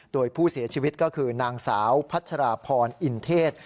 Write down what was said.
โดยผู้เสียชีวิตก็คือนางสาวพัชราพรอินเทศ